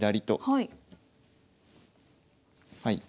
はい。